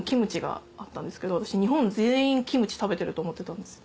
日本全員キムチ食べてると思ってたんです。